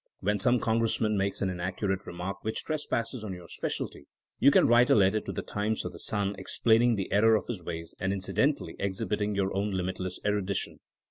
When some Con^essman makes an inaccurate remark which trespasses on your specialty you can write a letter to the Times or the Sun explain ing the error of his ways, and incidentally ex hibiting your own limitless erudition.